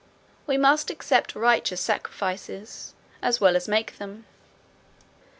We must accept righteous sacrifices as well as make them.